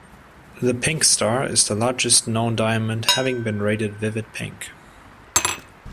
The Pink Star is the largest known diamond having been rated Vivid Pink.